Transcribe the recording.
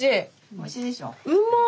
おいしいでしょ。